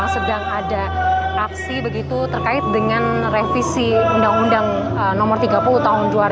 sedang ada aksi begitu terkait dengan revisi undang undang nomor tiga puluh tahun dua ribu dua